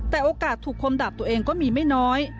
แต่โอกาสถูกคมดับตัวเองก็มีไม่น้อย